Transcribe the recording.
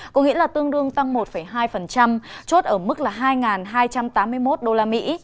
có nghĩa là tương đương tăng một hai chốt ở mức là hai hai trăm tám mươi một đô la mỹ